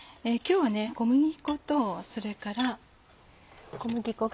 今日は小麦粉とそれから。